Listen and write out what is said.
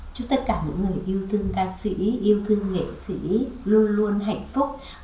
chúc tất cả những người yêu thương ca sĩ yêu thương nghệ sĩ luôn luôn hạnh phúc